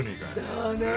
だな。